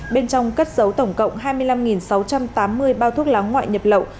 bên trong cất dấu tổng cộng hai mươi năm sáu trăm tám mươi bao thuốc lá ngoại nhập lậu